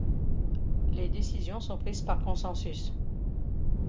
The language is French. Les décisions sont prises par consensus.